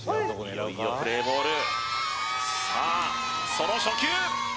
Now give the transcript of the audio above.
いよいよプレイボールさあその初球！